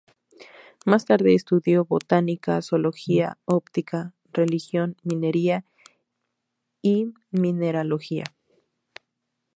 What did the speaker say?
Más tarde estudió botánica, zoología, óptica, religión, minería y mineralogía.